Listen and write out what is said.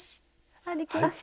あっできました。